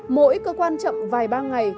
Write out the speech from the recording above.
mỗi cơ quan chậm vài ba ngày